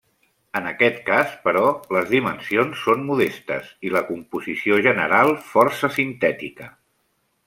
En aquest cas, però, les dimensions són modestes i la composició general força sintètica.